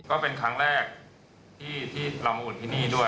ก็เป็นครั้งแรกที่เรามาอุ่นที่นี่ด้วย